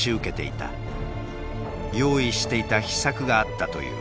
用意していた秘策があったという。